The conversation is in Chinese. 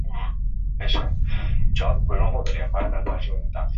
当时有三种处理方案。